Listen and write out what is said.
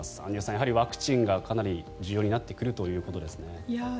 アンジュさん、やはりワクチンがかなり重要になってくるということですね。